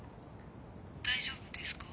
大丈夫ですか？